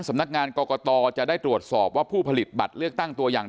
สำนักงานกรกตจะได้ตรวจสอบว่าผู้ผลิตบัตรเลือกตั้งตัวอย่าง